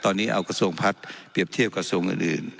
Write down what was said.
ตอนนี้เอากระทรวงพัฒน์เปรียบเทียบกระทรวงอื่น